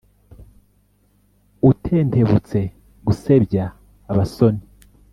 utentebutse gusebya abasoni